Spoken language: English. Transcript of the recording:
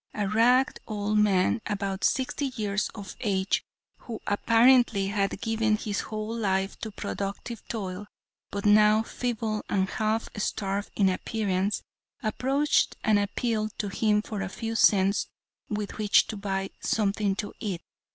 A ragged old man, about sixty years of age, who apparently had given his whole life to productive toil, but now feeble and half starved in appearance, approached and appealed to him for a few cents with which to buy something to eat.